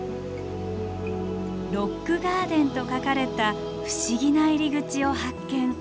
「ロックガーデン」と書かれた不思議な入り口を発見。